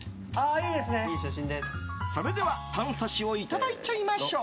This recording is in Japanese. それでは、タン刺しをいただいちゃいましょう！